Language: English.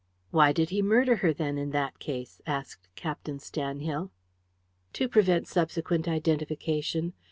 "Why did he murder her, then, in that case?" asked Captain Stanhill. "To prevent subsequent identification.